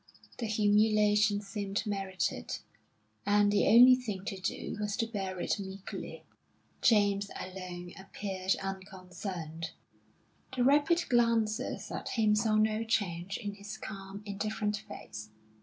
The humiliation seemed merited, and the only thing to do was to bear it meekly. James alone appeared unconcerned; the rapid glances at him saw no change in his calm, indifferent face.